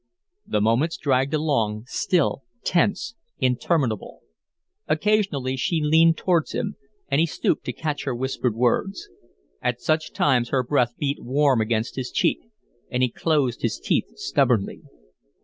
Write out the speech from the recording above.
The moments dragged along, still, tense, interminable. Occasionally she leaned towards him, and he stooped to catch her whispered words. At such times her breath beat warm against his cheek, and he closed his teeth stubbornly.